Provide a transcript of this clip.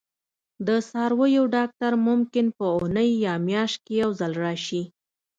د څارویو ډاکټر ممکن په اونۍ یا میاشت کې یو ځل راشي